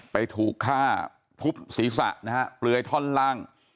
ไปถูกฆ่าทุบศีรษะนะฮะเปลือยท่อนล่าง